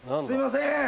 すいません